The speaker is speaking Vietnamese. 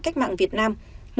cách mạng việt nam